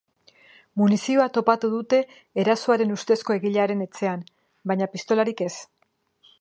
Munizioa topatu dute erasoaren ustezko egilearen etxean, baina pistolarik ez.